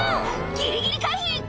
ギリギリ回避！